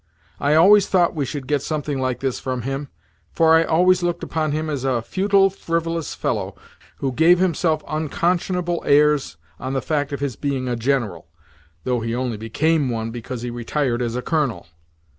I always thought we should get something like this from him, for I always looked upon him as a futile, frivolous fellow who gave himself unconscionable airs on the fact of his being a general (though he only became one because he retired as a colonel).